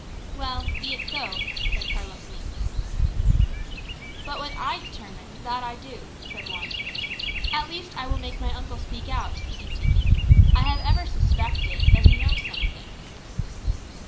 "Well; be it so," said Carlos meekly. "But what I determine, that I do," said Juan. "At least I will make my uncle speak out," he continued. "I have ever suspected that he knows something."